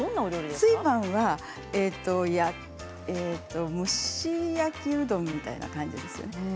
ツィヴァンは蒸し焼きうどんみたいな感じですね。